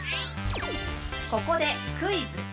ここでクイズ。